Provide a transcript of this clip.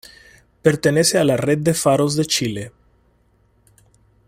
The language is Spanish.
Pertenece a la red de faros de Chile.